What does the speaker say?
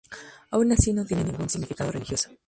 Aun así, no tiene ningún significado religioso.